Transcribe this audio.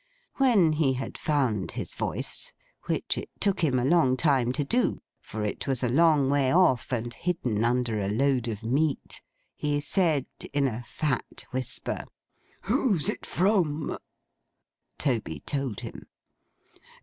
When he had found his voice—which it took him a long time to do, for it was a long way off, and hidden under a load of meat—he said in a fat whisper, 'Who's it from?' Toby told him.